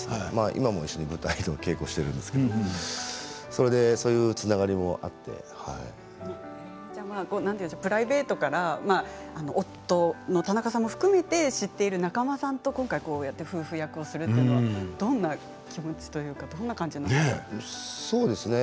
今も一緒に舞台の稽古をしているんですけれどプライベートから夫の田中さんも含めて知っている仲間さんと今回、夫婦役をするというのはどんな気持ちというかどんな感じなんですか？